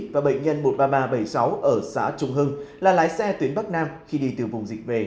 và bệnh nhân một mươi ba nghìn ba trăm bảy mươi sáu ở xã trung hưng là lái xe tuyến bắc nam khi đi từ vùng dịch về